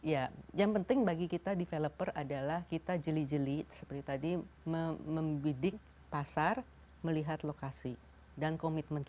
ya yang penting bagi kita developer adalah kita jeli jeli seperti tadi membidik pasar melihat lokasi dan komitmen kita